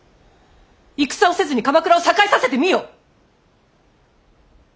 戦をせずに鎌倉を栄えさせてみよ！